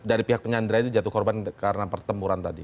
dari pihak penyandra itu jatuh korban karena pertempuran tadi